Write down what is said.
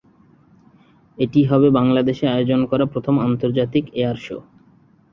এটিই হবে বাংলাদেশে আয়োজন করা প্রথম আন্তর্জাতিক এয়ার শো।